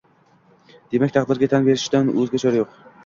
Demak, taqdirga tan berishdan o`zga chora yo`q